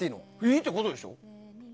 いいってことでしょ？